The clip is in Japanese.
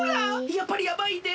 やっぱりやばいで！